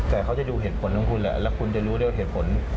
แต่เขาจะดูเหตุผลของคุณแหละแล้วคุณจะรู้ด้วยเหตุผล